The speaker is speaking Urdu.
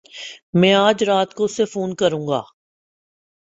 میں اج رات کو اسے فون کروں گا۔